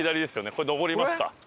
これ上りますか。